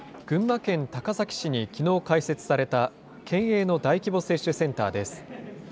群馬県高崎市にきのう開設された県営の大規模接種センターです。